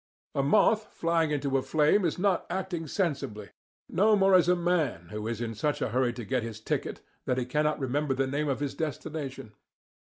A moth flying into a lamp is not acting sensibly; no more is a man who is in such a hurry to get his ticket that he cannot remember the name of his destination.